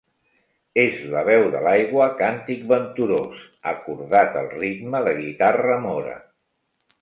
És la veu de l'aigua càntic venturós, acordat al ritme de guitarra mora.